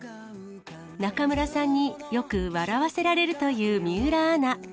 中村さんによく笑わせられるという水卜アナ。